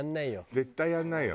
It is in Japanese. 絶対やんないよ。